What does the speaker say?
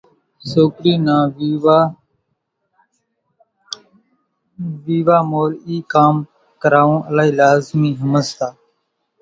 سوڪرِي نا ويوا مورِ اِي ڪام ڪراوون الائِي لازمِي ۿمزتان۔